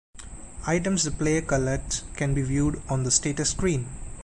Items the player collects can be viewed on the status screen.